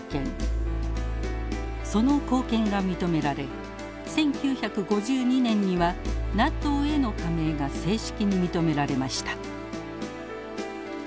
その貢献が認められ１９５２年にはＮＡＴＯへの加盟が正式に認められました。